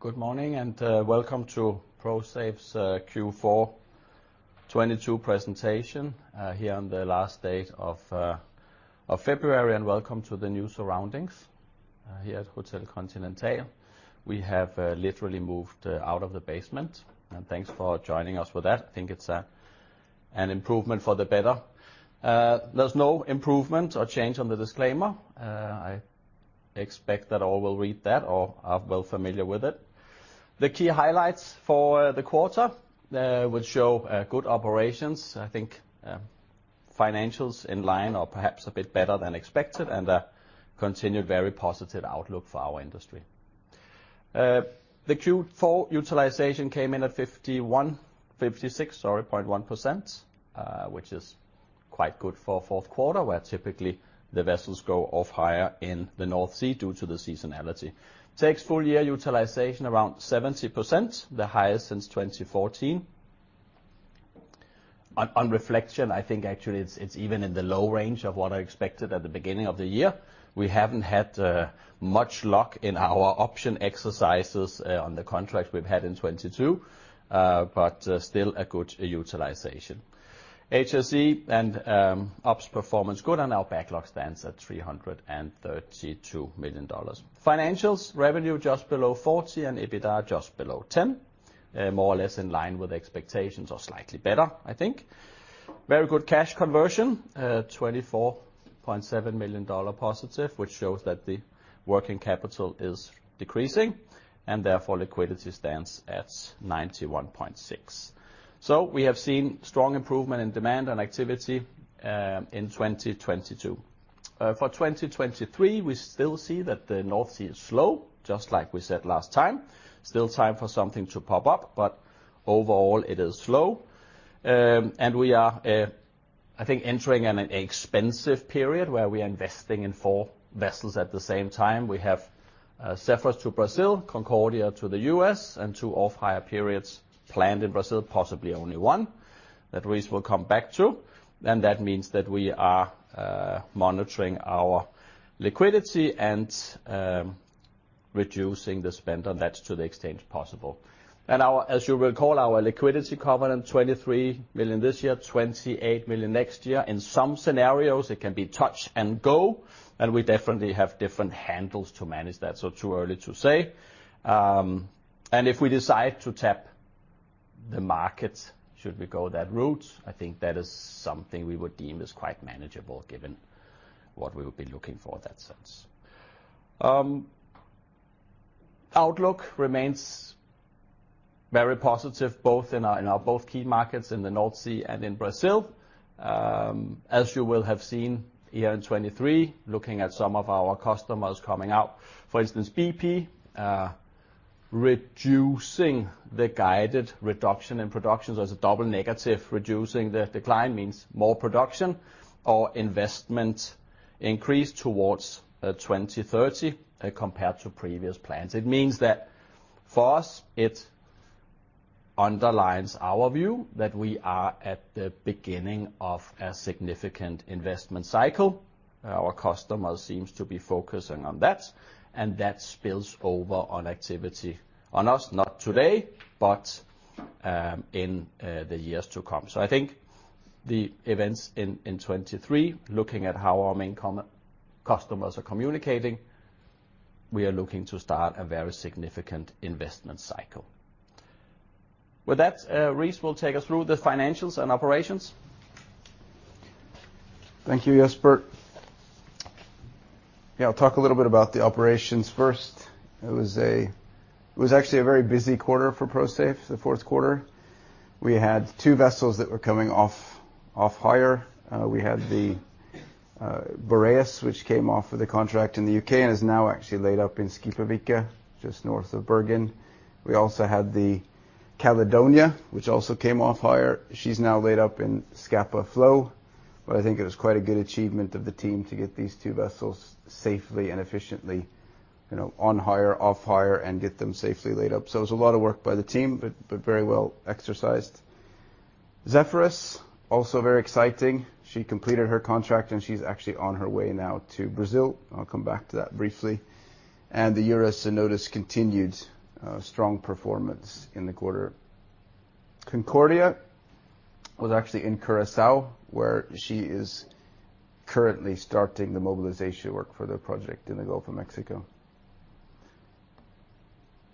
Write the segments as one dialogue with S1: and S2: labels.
S1: Good morning, and welcome to Prosafe's Q4 2022 presentation, here on the last date of February. Welcome to the new surroundings, here at Hotel Continental. We have literally moved out of the basement, and thanks for joining us for that. I think it's an improvement for the better. There's no improvement or change on the disclaimer. I expect that all will read that or are well familiar with it. The key highlights for the quarter will show good operations. I think financials in line or perhaps a bit better than expected and a continued very positive outlook for our industry. The Q4 utilization came in at 51... 56.1%, which is quite good for a fourth quarter, where typically the vessels go off hire in the North Sea due to the seasonality. Takes full year utilization around 70%, the highest since 2014. On reflection, I think actually it's even in the low range of what I expected at the beginning of the year. We haven't had much luck in our option exercises on the contracts we've had in 2022, but still a good utilization. HSE and ops performance good. Our backlog stands at $332 million. Financials, revenue just below $40 million and EBITDA just below $10 million. More or less in line with expectations or slightly better, I think. Very good cash conversion, $24.7 million positive, which shows that the working capital is decreasing and therefore liquidity stands at 91.6. We have seen strong improvement in demand and activity in 2022. For 2023, we still see that the North Sea is slow, just like we said last time. Still time for something to pop up, but overall it is slow. We are, I think entering in an expensive period where we are investing in four vessels at the same time. We have Zephyrus to Brazil, Concordia to the U.S. and two off-hire periods planned in Brazil, possibly only one that Reese will come back to. That means that we are monitoring our liquidity and reducing the spend on that to the extent possible. As you recall, our liquidity covenant, $23 million this year, $28 million next year. In some scenarios, it can be touch and go, and we definitely have different handles to manage that, so too early to say. If we decide to tap the markets, should we go that route, I think that is something we would deem as quite manageable given what we would be looking for in that sense. Outlook remains very positive both in our, in our both key markets in the North Sea and in Brazil. As you will have seen here in 2023, looking at some of our customers coming out, for instance, BP, reducing the guided reduction in production. It's a double negative. Reducing the decline means more production or investment increase towards 2030 compared to previous plans. It means that for us, it underlines our view that we are at the beginning of a significant investment cycle. Our customers seems to be focusing on that. That spills over on activity on us, not today, but in the years to come. I think the events in 2023, looking at how our main customers are communicating, we are looking to start a very significant investment cycle. With that, Reese will take us through the financials and operations.
S2: Thank you, Jesper. I'll talk a little bit about the operations first. It was actually a very busy quarter for Prosafe, the fourth quarter. We had 2 vessels that were coming off hire. We had the Boreas, which came off of the contract in the UK and is now actually laid up in Skipavika, just north of Bergen. We also had the Caledonia, which also came off hire. She's now laid up in Scapa Flow. I think it was quite a good achievement of the team to get these two vessels safely and efficiently, you know, on hire, off hire, and get them safely laid up. It was a lot of work by the team, but very well exercised. Zephyrus, also very exciting. She completed her contract, she's actually on her way now to Brazil. I'll come back to that briefly. The Eurus Notos continued a strong performance in the quarter. Concordia was actually in Curaçao, where she is currently starting the mobilization work for the project in the Gulf of Mexico.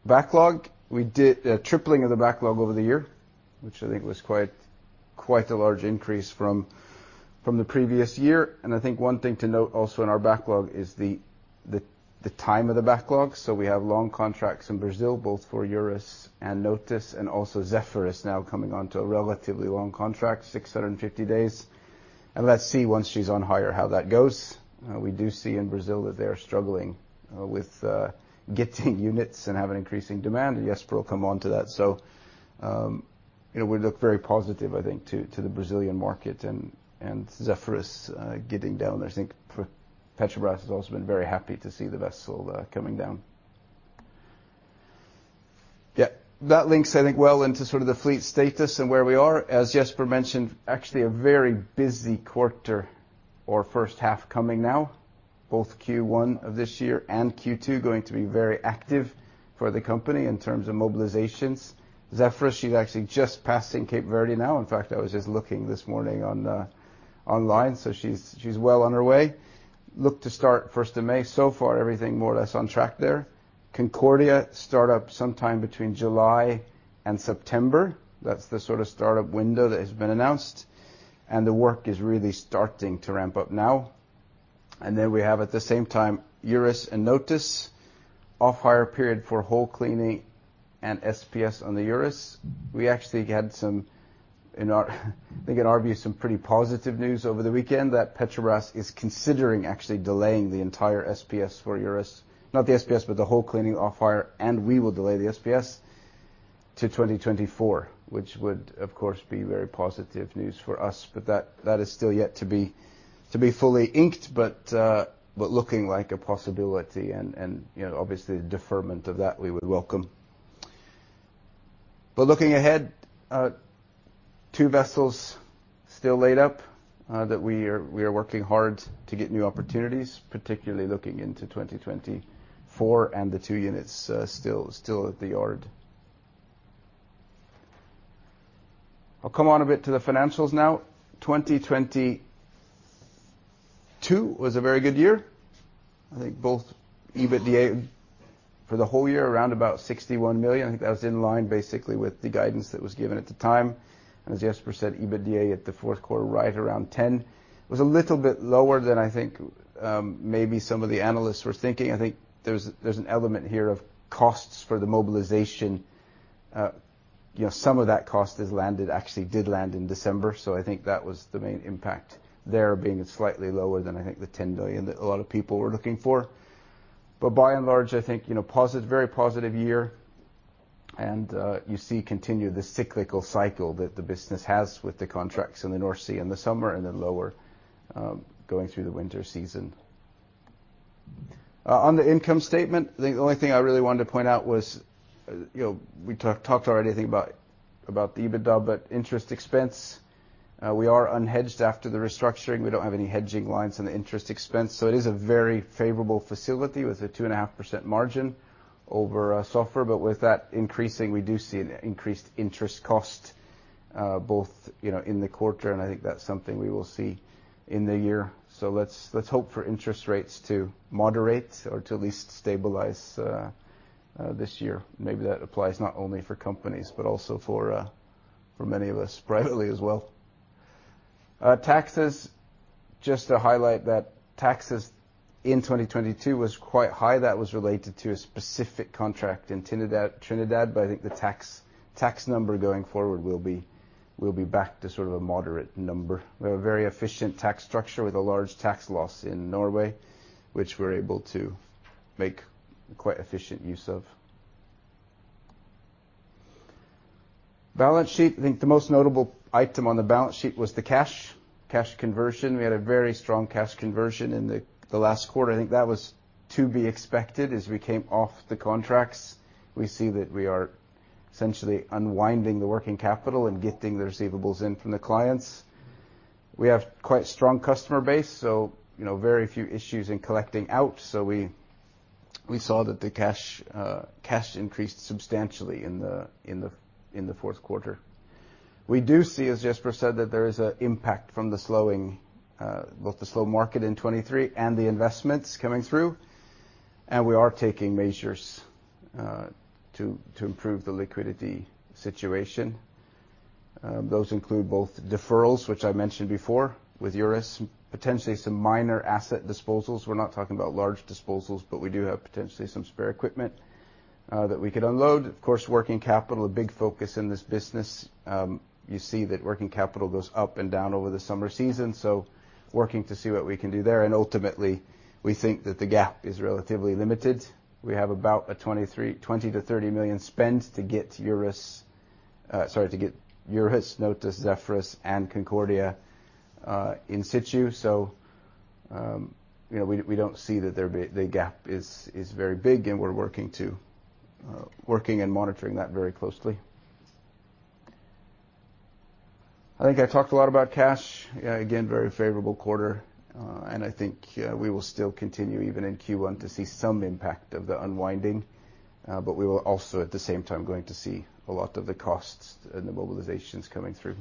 S2: Backlog, we did a tripling of the backlog over the year, which I think was quite a large increase from the previous year. I think one thing to note also in our backlog is the time of the backlog. We have long contracts in Brazil, both for Eurus and Notos, and also Zephyrus now coming onto a relatively long contract, 650 days. Let's see once she's on hire how that goes. We do see in Brazil that they are struggling with getting units and have an increasing demand, and Jesper will come on to that. You know, we look very positive, I think, to the Brazilian market and Zephyrus getting down there. I think Petrobras has also been very happy to see the vessel coming down. Yeah. That links, I think, well into sort of the fleet status and where we are. As Jesper mentioned, actually a very busy quarter or first half coming now. Both Q1 of this year and Q2 going to be very active for the company in terms of mobilizations. Zephyrus, she's actually just passing Cape Verde now. In fact, I was just looking this morning on online, she's well on her way. Look to start first of May. So far, everything more or less on track there. Concordia start up sometime between July and September. That's the sort of startup window that has been announced. The work is really starting to ramp up now. Then we have, at the same time, Eurus and Notos. Off-hire period for hull cleaning and SPS on the Eurus. We actually had some in our view, some pretty positive news over the weekend that Petrobras is considering actually delaying the entire SPS for Eurus. Not the SPS, but the hull cleaning off-hire, and we will delay the SPS to 2024, which would, of course, be very positive news for us. That is still yet to be fully inked, but looking like a possibility and, you know, obviously the deferment of that we would welcome. Looking ahead, two vessels still laid up that we are working hard to get new opportunities, particularly looking into 2024 and the two units still at the yard. I'll come on a bit to the financials now. 2022 was a very good year. I think both EBITDA for the whole year around about $61 million. I think that was in line basically with the guidance that was given at the time. As Jesper said, EBITDA at the fourth quarter right around $10 million was a little bit lower than I think maybe some of the analysts were thinking. I think there's an element here of costs for the mobilization. You know, some of that cost is landed, actually did land in December. I think that was the main impact there being slightly lower than, I think, the $10 billion that a lot of people were looking for. By and large, I think, you know, very positive year and you see continue the cyclical cycle that the business has with the contracts in the North Sea in the summer and then lower going through the winter season. On the income statement, I think the only thing I really wanted to point out was, you know, we talked already I think about the EBITDA, but interest expense. We are unhedged after the restructuring. We don't have any hedging lines on the interest expense. It is a very favorable facility with a 2.5% margin over SOFR. With that increasing, we do see an increased interest cost, you know, in the quarter, and I think that's something we will see in the year. Let's hope for interest rates to moderate or to at least stabilize this year. Maybe that applies not only for companies, but also for many of us privately as well. Taxes, just to highlight that taxes in 2022 was quite high. That was related to a specific contract in Trinidad, I think the tax number going forward will be back to sort of a moderate number. We have a very efficient tax structure with a large tax loss in Norway, which we're able to make quite efficient use of. Balance sheet. I think the most notable item on the balance sheet was the cash. Cash conversion. We had a very strong cash conversion in the last quarter. I think that was to be expected as we came off the contracts. We see that we are essentially unwinding the working capital and getting the receivables in from the clients. We have quite strong customer base, so, you know, very few issues in collecting out. We saw that the cash increased substantially in the fourth quarter. We do see, as Jesper said, that there is an impact from the slowing, both the slow market in 2023 and the investments coming through, and we are taking measures to improve the liquidity situation. Those include both deferrals, which I mentioned before with Eurus, potentially some minor asset disposals. We're not talking about large disposals, but we do have potentially some spare equipment that we could unload. Of course, working capital, a big focus in this business. You see that working capital goes up and down over the summer season, so working to see what we can do there. Ultimately, we think that the gap is relatively limited. We have about a $20 million-$30 million spend to get Safe Eurus, sorry, to get Safe Eurus, Safe Notos, Safe Zephyrus and Safe Concordia in situ. You know, we don't see that the gap is very big, and we're working to working and monitoring that very closely. I think I talked a lot about cash. Again, very favorable quarter, and I think we will still continue even in Q1 to see some impact of the unwinding, but we will also at the same time going to see a lot of the costs and the mobilizations coming through.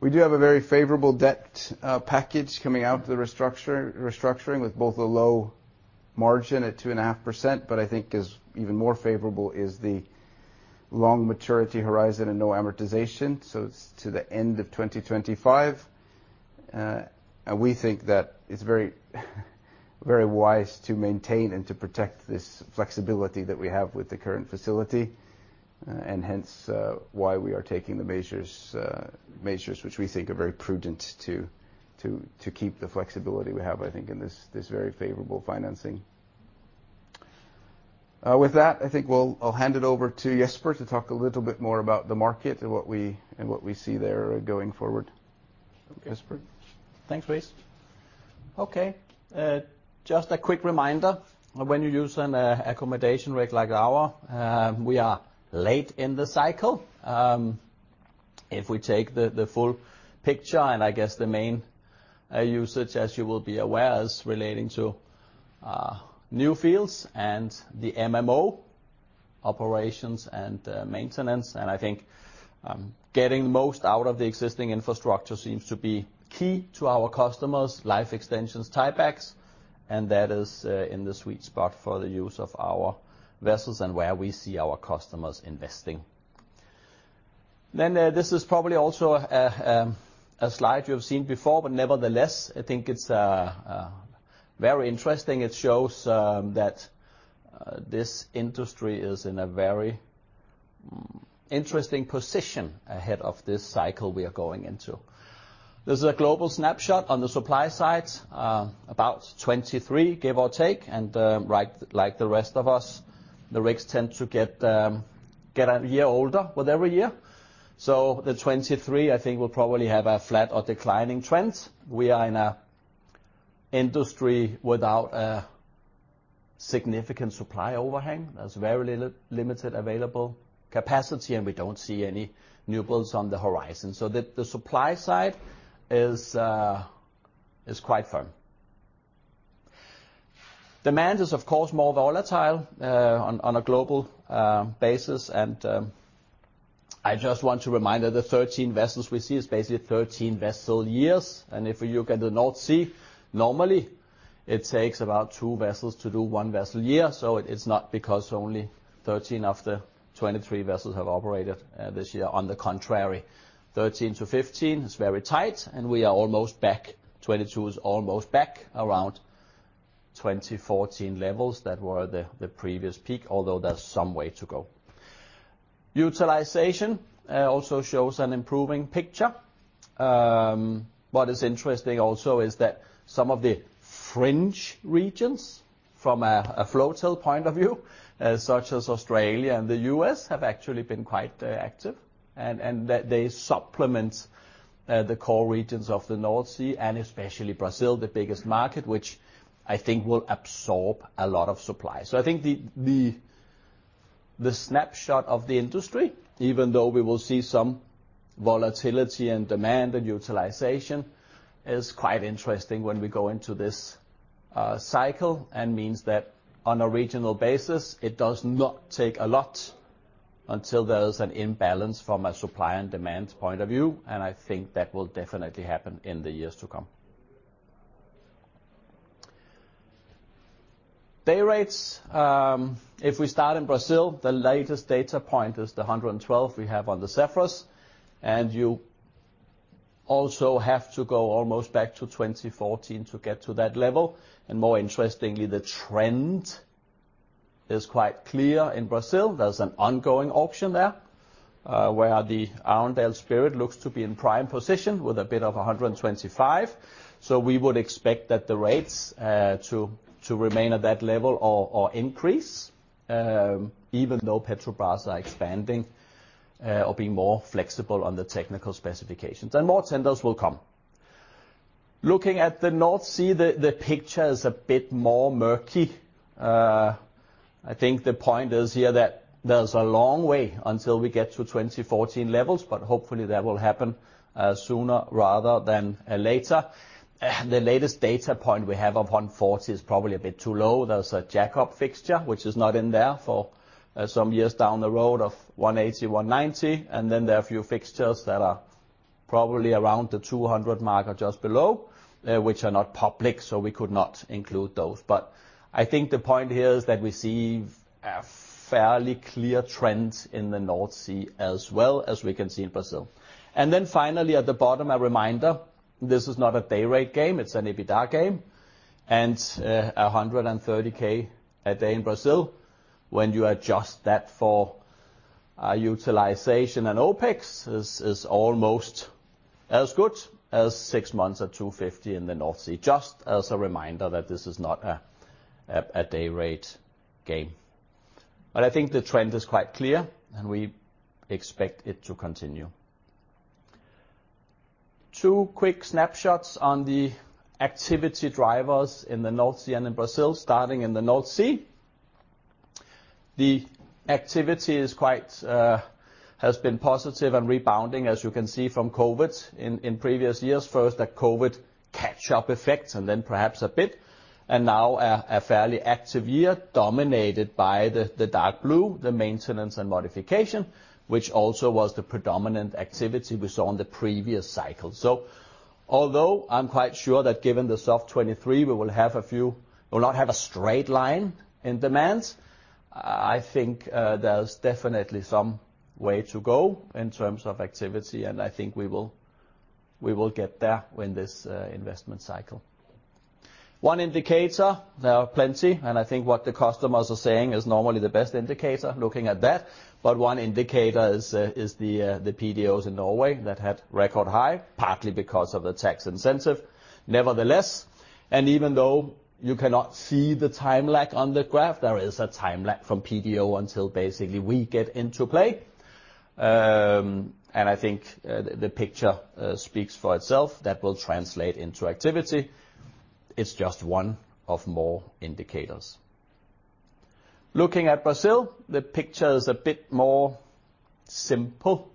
S2: We do have a very favorable debt package coming out of the restructuring with both a low margin at 2.5%, but I think is even more favorable is the long maturity horizon and no amortization, so it's to the end of 2025. We think that it's very, very wise to maintain and to protect this flexibility that we have with the current facility, and hence, why we are taking the measures which we think are very prudent to keep the flexibility we have, I think, in this very favorable financing. With that, I think we'll I'll hand it over to Jesper to talk a little bit more about the market and what we see there going forward. Jesper.
S3: Thanks, Reese.
S1: Okay. Just a quick reminder, when you use an accommodation rig like ours, we are late in the cycle. If we take the full picture, I guess the main usage, as you will be aware, is relating to new fields and the MMO operations and maintenance. I think getting the most out of the existing infrastructure seems to be key to our customers' life extensions tie-backs, and that is in the sweet spot for the use of our vessels and where we see our customers investing. This is probably also a slide you have seen before, but nevertheless, I think it's very interesting. It shows that this industry is in a very interesting position ahead of this cycle we are going into. This is a global snapshot on the supply side. About 23, give or take, and the rest of us, the rigs tend to get a year older with every year. The 23, I think, will probably have a flat or declining trend. We are in a industry without a significant supply overhang. There's very limited available capacity. We don't see any new builds on the horizon. The supply side is quite firm. Demand is, of course, more volatile on a global basis. I just want to remind that the 13 vessels we see is basically 13 vessel years. If you look at the North Sea, normally it takes about two vessels to do one vessel year. It's not because only 13 of the 23 vessels have operated this year. On the contrary, 13-15 is very tight, and we are almost back. 22 is almost back around 2014 levels that were the previous peak, although there's some way to go. Utilization also shows an improving picture. What is interesting also is that some of the fringe regions from a floatel point of view, such as Australia and the U.S., have actually been quite active. They supplement the core regions of the North Sea, and especially Brazil, the biggest market, which I think will absorb a lot of supply. I think the snapshot of the industry, even though we will see some volatility in demand and utilization, is quite interesting when we go into this cycle and means that on a regional basis, it does not take a lot until there's an imbalance from a supply and demand point of view. I think that will definitely happen in the years to come. Day rates. If we start in Brazil, the latest data point is the $112 we have on the Safe Zephyrus. You also have to go almost back to 2014 to get to that level. More interestingly, the trend is quite clear in Brazil. There's an ongoing auction there, where the Arendal Spirit looks to be in prime position with a bid of $125. We would expect that the rates to remain at that level or increase even though Petrobras are expanding or being more flexible on the technical specifications. More tenders will come. Looking at the North Sea, the picture is a bit more murky. I think the point is here that there's a long way until we get to 2014 levels, but hopefully that will happen sooner rather than later. The latest data point we have of $140 is probably a bit too low. There's a jack-up fixture, which is not in there for some years down the road of $180-$190. There are a few fixtures that are probably around the $200 mark or just below, which are not public, so we could not include those. I think the point here is that we see a fairly clear trend in the North Sea as well as we can see in Brazil. Then finally, at the bottom, a reminder, this is not a day rate game. It's an EBITDA game. $130K a day in Brazil, when you adjust that for utilization and OpEx is almost as good as six months at $250 in the North Sea. Just as a reminder that this is not a day rate game. I think the trend is quite clear, and we expect it to continue. Two quick snapshots on the activity drivers in the North Sea and in Brazil. Starting in the North Sea, the activity is quite has been positive and rebounding, as you can see from COVID in previous years. First, a COVID catch-up effect and then perhaps a bit. Now a fairly active year dominated by the dark blue, the maintenance and modification, which also was the predominant activity we saw in the previous cycle. Although I'm quite sure that given the soft 23, we will not have a straight line in demands, I think, there's definitely some way to go in terms of activity. I think we will, we will get there in this investment cycle. One indicator, there are plenty, and I think what the customers are saying is normally the best indicator looking at that. One indicator is the PDOs in Norway that had record high, partly because of the tax incentive. Nevertheless, even though you cannot see the time lag on the graph, there is a time lag from PDO until basically we get into play. I think the picture speaks for itself. That will translate into activity. It is just one of more indicators. Looking at Brazil, the picture is a bit more simple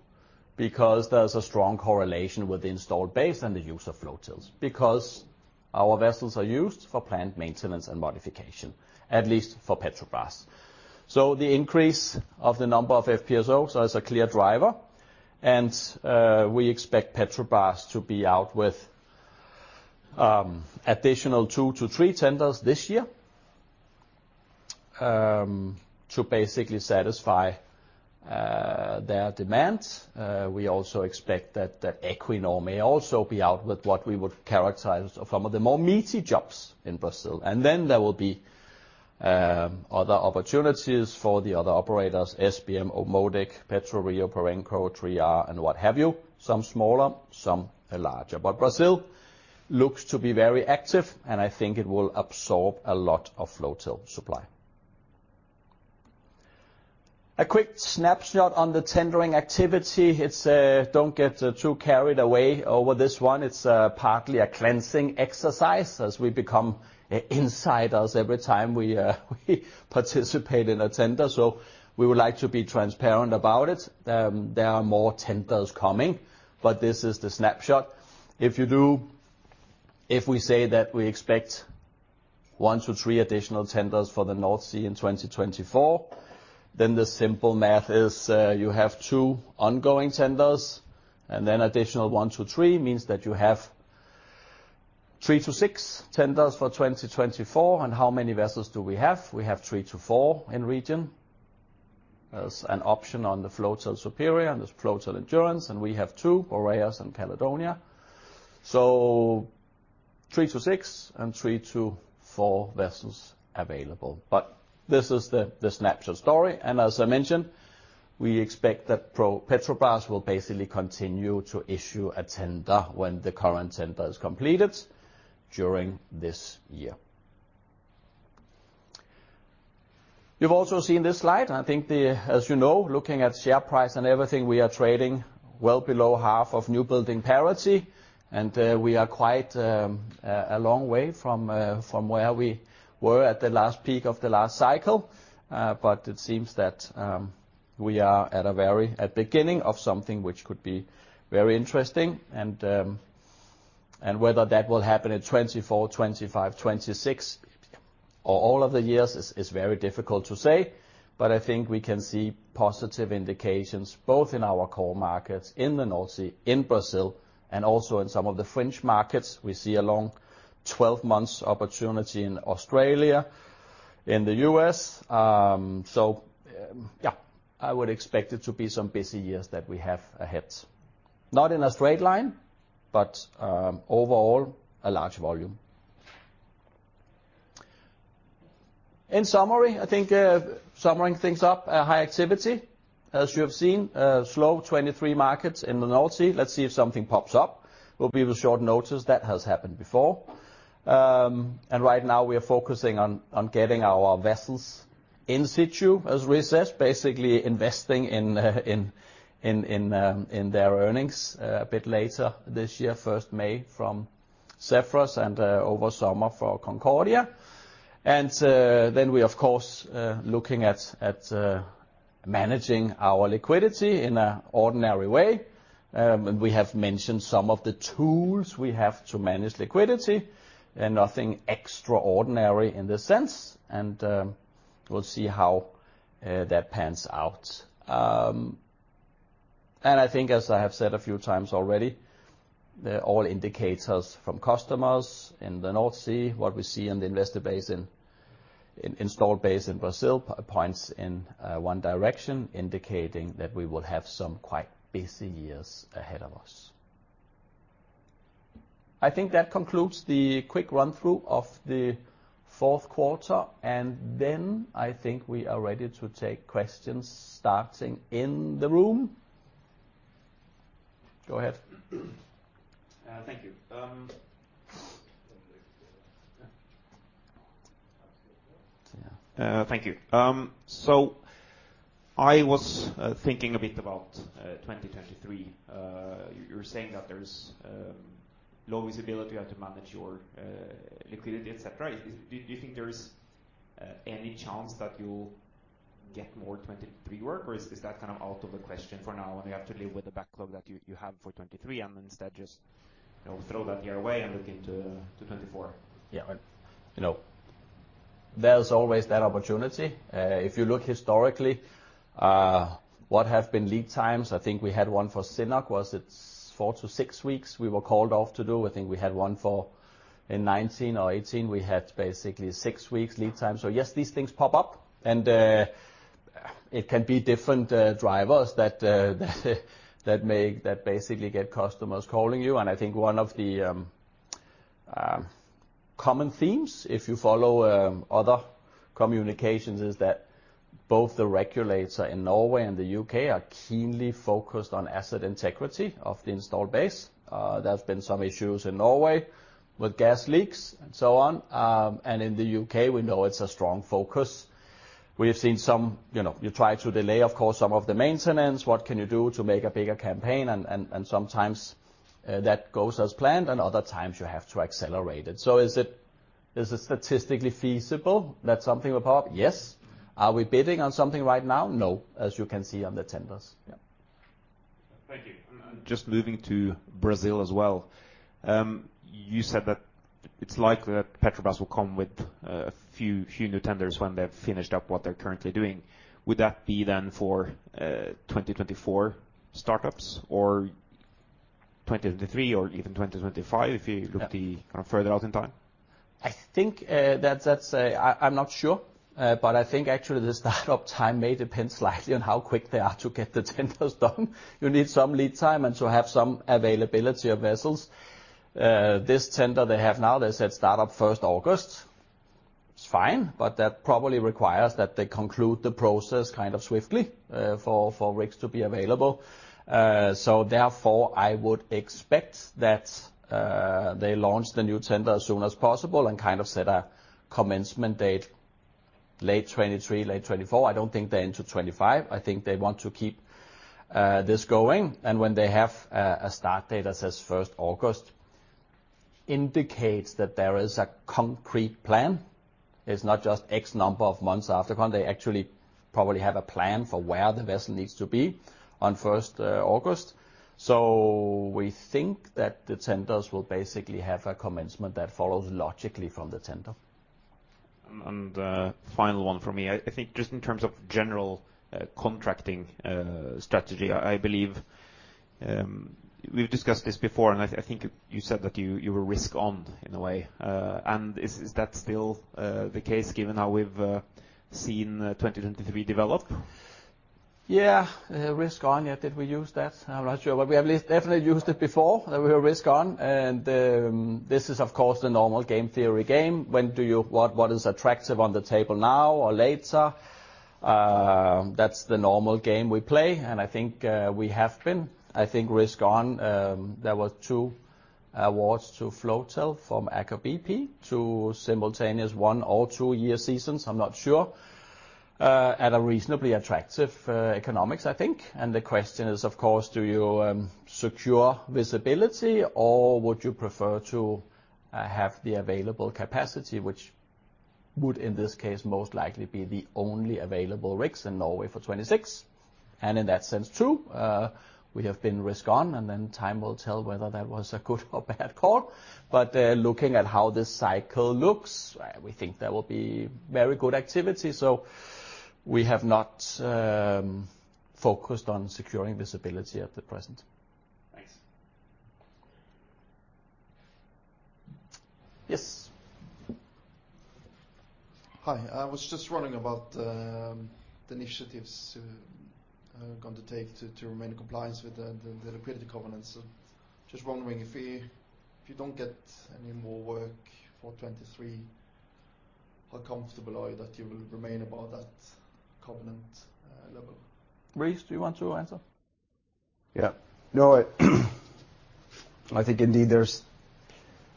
S1: because there is a strong correlation with installed base and the use of flotels, because our vessels are used for plant maintenance and modification, at least for Petrobras. The increase of the number of FPSOs as a clear driver. We expect Petrobras to be out with additional two to three tenders this year to basically satisfy their demands. We also expect that Equinor may also be out with what we would characterize some of the more meaty jobs in Brazil. There will be other opportunities for the other operators, SBM, Modec, PRIO, Perenco, 3R, and what have you. Some smaller, some larger. Brazil looks to be very active, and I think it will absorb a lot of flotel supply. A quick snapshot on the tendering activity. It's don't get too carried away over this one. It's partly a cleansing exercise as we become insiders every time we participate in a tender. We would like to be transparent about it. There are more tenders coming, but this is the snapshot. If we say that we expect 1-3 additional tenders for the North Sea in 2024, then the simple math is, you have two ongoing tenders, and then additional 1-3 means that you have 3-6 tenders for 2024. How many vessels do we have? We have 3-4 in region. There's an option on the Floatel Superior and there's Floatel Endurance, and we have two, Boreas and Caledonia. 3-6, and 3-4 vessels available. This is the snapshot story, and as I mentioned, we expect that Petrobras will basically continue to issue a tender when the current tender is completed during this year. You've also seen this slide. I think the, as you know, looking at share price and everything, we are trading well below half of new building parity. We are quite a long way from where we were at the last peak of the last cycle. It seems that we are at a very, at beginning of something which could be very interesting. Whether that will happen in 2024, 2025, 2026 or all of the years is very difficult to say. I think we can see positive indications both in our core markets, in the North Sea, in Brazil, and also in some of the fringe markets. We see a long 12 months opportunity in Australia, in the US. Yeah, I would expect it to be some busy years that we have ahead. Not in a straight line, but overall, a large volume. In summary, I think, summarizing things up, a high activity. As you have seen, a slow 2023 markets in the North Sea. Let's see if something pops up. Will be with short notice. That has happened before. Right now we are focusing on getting our vessels in situ, as we said, basically investing in their earnings a bit later this year, first May from Safe Zephyrus over summer for Safe Concordia. Then we of course looking at managing our liquidity in a ordinary way. We have mentioned some of the tools we have to manage liquidity, and nothing extraordinary in this sense. We'll see how that pans out. I think as I have said a few times already, the all indicators from customers in the North Sea, what we see in the investor base in installed base in Brazil points in one direction, indicating that we will have some quite busy years ahead of us. I think that concludes the quick run-through of the fourth quarter, and then I think we are ready to take questions starting in the room. Go ahead.
S3: Thank you.
S1: Yeah.
S3: Thank you. I was thinking a bit about 2023. You're saying that there's low visibility, you have to manage your liquidity, et cetera. Do you think there's any chance that you'll get more 2023 work, or is that kind of out of the question for now and you have to live with the backlog that you have for 2023 and instead just, you know, throw that year away and look into 2024?
S1: Yeah. You know, there's always that opportunity. If you look historically, what have been lead times, I think we had one for CNOOC, was it 4 weeks-6 weeks we were called off to do. I think we had one for in 2019 or 2018, we had basically six weeks lead time. Yes, these things pop up and it can be different drivers that make, that basically get customers calling you. I think one of the common themes, if you follow other communications, is that both the regulators in Norway and the UK are keenly focused on asset integrity of the installed base. There's been some issues in Norway with gas leaks and so on. In the UK, we know it's a strong focus. We have seen some, you know, you try to delay of course some of the maintenance. What can you do to make a bigger campaign, and, sometimes, that goes as planned, and other times you have to accelerate it. Is it statistically feasible that something will pop? Yes. Are we bidding on something right now? No, as you can see on the tenders. Yeah.
S3: Thank you. Just moving to Brazil as well, you said that it's likely that Petrobras will come with a few new tenders when they've finished up what they're currently doing. Would that be then for 2024 startups or 2023 or even 2025 if you look?
S1: Yeah...
S3: kind of further out in time?
S1: I think that's a... I'm not sure, but I think actually the startup time may depend slightly on how quick they are to get the tenders done. You need some lead time and to have some availability of vessels. This tender they have now, they said start up 1st August. It's fine, but that probably requires that they conclude the process kind of swiftly for rigs to be available. Therefore, I would expect that they launch the new tender as soon as possible and kind of set a commencement date late 2023, late 2024. I don't think they're into 2025. I think they want to keep this going. When they have a start date that says 1st August, indicates that there is a concrete plan. It's not just X number of months after. One, they actually probably have a plan for where the vessel needs to be on first, August. We think that the tenders will basically have a commencement that follows logically from the tender.
S3: Final one for me. I think just in terms of general contracting strategy, I believe, we've discussed this before and I think you said that you were risk on in a way, and is that still the case given how we've seen 2023 develop?
S1: Yeah, risk on. Yeah. Did we use that? I'm not sure, but we at least definitely used it before. We were risk on. This is of course the normal game theory game. What is attractive on the table now or later? That's the normal game we play. I think we have been. I think risk on, there were two awards to Floatel from Aker BP to simultaneous one or two year seasons, I'm not sure, at a reasonably attractive economics, I think. The question is, of course, do you secure visibility or would you prefer to have the available capacity, which would in this case most likely be the only available rigs in Norway for 2026. In that sense, too, we have been risk on and then time will tell whether that was a good or bad call. Looking at how this cycle looks, we think there will be very good activity. We have not focused on securing visibility at the present.
S3: Thanks.
S1: Yes.
S4: Hi. I was just wondering about the initiatives going to take to remain in compliance with the liquidity covenants. Just wondering if you don't get any more work for 2023, how comfortable are you that you will remain above that covenant level?
S5: Reese, do you want to answer?
S2: Yeah. No, I think indeed there's.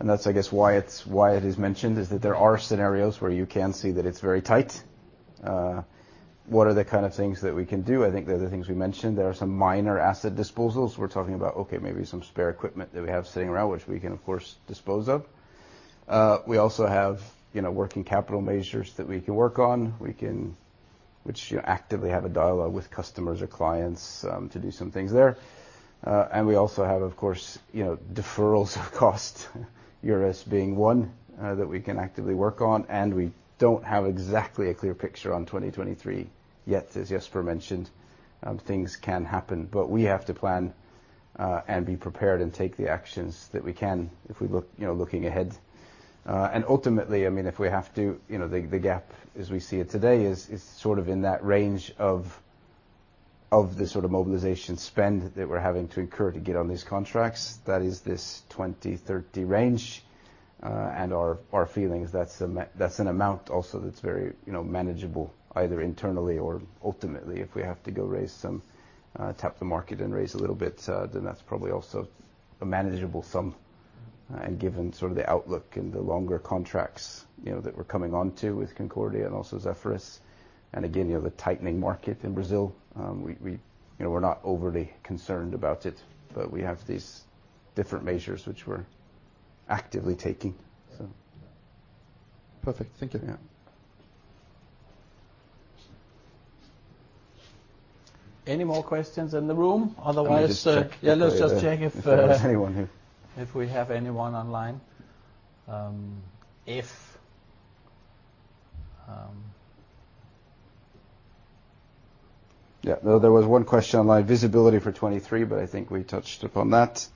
S2: That's I guess why it's, why it is mentioned is that there are scenarios where you can see that it's very tight. What are the kind of things that we can do? I think they're the things we mentioned. There are some minor asset disposals. We're talking about, okay, maybe some spare equipment that we have sitting around, which we can of course dispose of. We also have, you know, working capital measures that we can work on. We can which you actively have a dialogue with customers or clients to do some things there. We also have of course, you know, deferrals of cost, yours being one, that we can actively work on. We don't have exactly a clear picture on 2023 yet. As Jesper mentioned, things can happen. We have to plan, and be prepared and take the actions that we can if we look, you know, looking ahead. Ultimately, I mean, if we have to, you know, the gap as we see it today is sort of in that range of the sort of mobilization spend that we're having to incur to get on these contracts. That is this $20-$30 range. Our feeling is that's an amount also that's very, you know, manageable either internally or ultimately if we have to go raise some, tap the market and raise a little bit, then that's probably also a manageable sum. Given sort of the outlook and the longer contracts, you know, that we're coming onto with Concordia and also Zephyrus, and again, you know, the tightening market in Brazil, we, you know, we're not overly concerned about it, but we have these different measures which we're actively taking, so.
S4: Perfect. Thank you.
S2: Yeah.
S1: Any more questions in the room? Otherwise-
S2: Let me just check.
S1: Yeah, let's just check if.
S2: If there's anyone here. ...
S1: if we have anyone online. if,...
S2: Yeah. No, there was one question online. Visibility for 2023, but I think we touched upon that.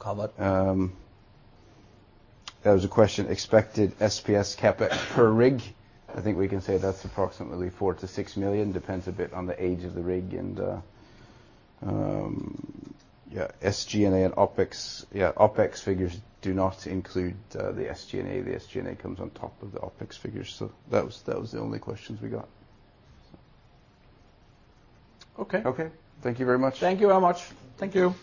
S1: Covered.
S2: There was a question, expected SPS CapEx per rig. I think we can say that's approximately $4 million-$6 million. Depends a bit on the age of the rig. SG&A and OpEx. OpEx figures do not include the SG&A. The SG&A comes on top of the OpEx figures. That was the only questions we got.
S1: Okay.
S2: Okay. Thank you very much.
S1: Thank you very much. Thank you.